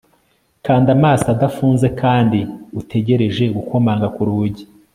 Kanda amaso adafunze kandi utegereje gukomanga ku rugi